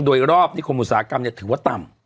โดยรอบนิคมอุตสาหกรรมถือว่าต่ำ